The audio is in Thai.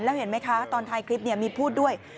แล้วเห็นไหมคะตอนถ่ายคลิปมีพูดด้วย